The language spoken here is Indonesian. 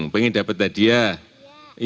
pengen dapat hadiah